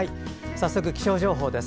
早速、気象情報です。